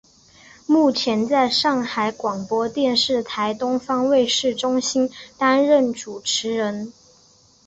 目前在上海广播电视台东方卫视中心担任主持人。